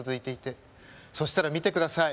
そしたら見てください。